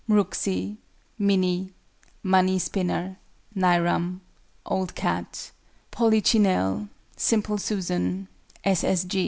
MHRUXI. MINNIE. MONEY SPINNER. NAIRAM. OLD CAT. POLICHINELLE. SIMPLE SUSAN.